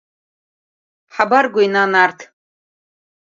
Ҳабаргои, нан, арҭ?